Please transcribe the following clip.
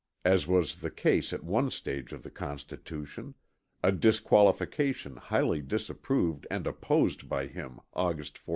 as was the case at one Stage of the Constitution; a disqualification highly disapproved and opposed by him Aug: 14.